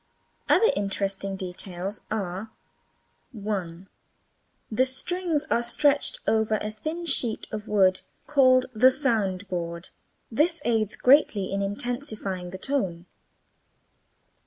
Other interesting details are: 1. The strings are stretched over a thin sheet of wood called the sound board. This aids greatly in intensifying the tone.